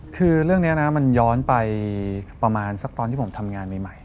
คือเรื่องนี้นะมันย้อนไปประมาณสักตอนที่ผมทำงานใหม่